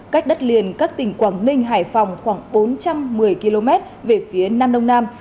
cách đất liền các tỉnh quảng ninh hải phòng khoảng bốn trăm một mươi km về phía nam đông nam